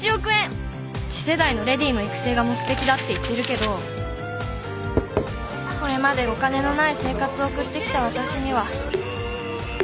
次世代の淑女の育成が目的だって言ってるけどこれまでお金のない生活を送ってきたわたしには